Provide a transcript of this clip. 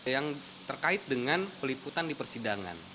yang terkait dengan peliputan di persidangan